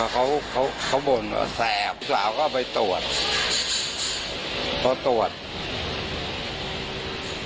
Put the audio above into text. เขาเขาเขาบ่นเขาแสบลูกสาวก็ไปตรวจเพราะตรวจ